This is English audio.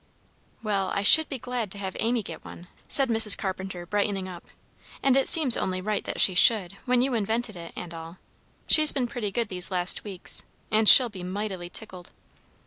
"Well, I should be glad to have Amy get one," said Mrs. Carpenter, brightening up. "And it seems only right that she should, when you invented it and all. She's been pretty good these last weeks, and she'll be mightily tickled."